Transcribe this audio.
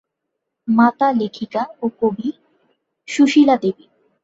মাতা লেখিকা ও কবি সুশীলা দেবী।